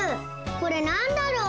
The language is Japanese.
これなんだろう？